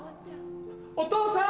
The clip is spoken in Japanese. お父さん！